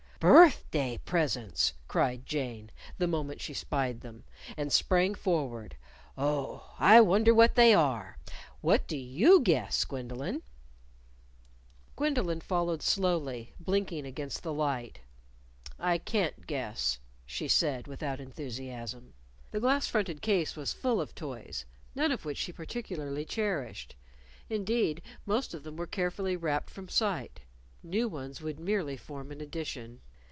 "Birthday presents!" cried Jane, the moment she spied them; and sprang forward. "Oh, I wonder what they are! What do you guess, Gwendolyn?" Gwendolyn followed slowly, blinking against the light. "I can't guess," she said without enthusiasm. The glass fronted case was full of toys, none of which she particularly cherished. (Indeed, most of them were carefully wrapped from sight.) New ones would merely form an addition.